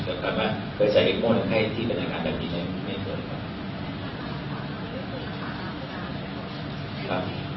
แล้วกันว่าเคยใส่เล็กโมงให้ที่เป็นอาการแบบนี้ใช่ไหมครับ